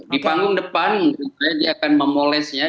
di panggung depan dia akan memolesnya